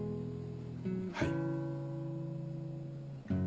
はい。